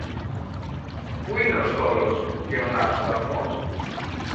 Πού είναι ο στόλος και ο ναύσταθμος;